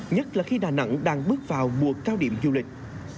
nhất là khi đà nẵng đang bước vào mùa cao điểm du lịch